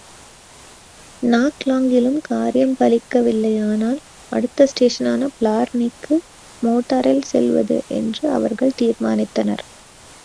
நாக்லாங்கிலும் காரியம் பலிக்கவில்லையானால், அடுத்த ஸ்டேஷனான பிளார்னிக்கு மோட்டாரில் செல்வது என்று அவர்கள் தீர்மானித்தனர்.